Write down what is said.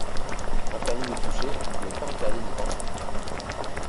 Interdit de toucher mais pas interdit d’y penser.